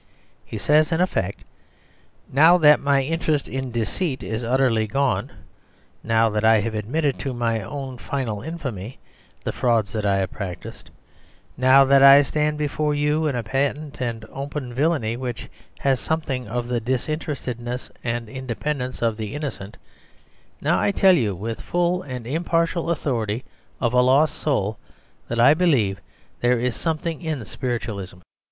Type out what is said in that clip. He says in effect: "Now that my interest in deceit is utterly gone, now that I have admitted, to my own final infamy, the frauds that I have practised, now that I stand before you in a patent and open villainy which has something of the disinterestedness and independence of the innocent, now I tell you with the full and impartial authority of a lost soul that I believe that there is something in spiritualism.